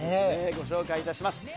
ご紹介いたします。